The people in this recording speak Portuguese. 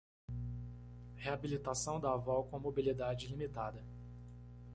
Reabilitação da avó com mobilidade limitada